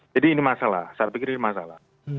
jadi ini masalah saya pikir ini masalah